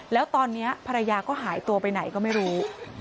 แล้วตอนนี้ภรรยาก็หายตัวไปไหนก็ไม่รู้